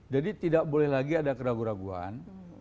jadi tidak boleh lagi ada keraguan keraguan